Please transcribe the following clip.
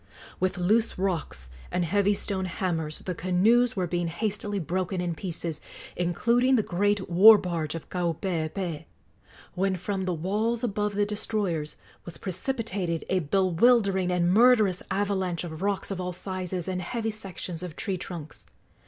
With loose rocks and heavy stone hammers the canoes were being hastily broken in pieces, including the great war barge of Kaupeepee, when from the walls above the destroyers was precipitated a bewildering and murderous avalanche of rocks of all sizes and heavy sections of tree trunks.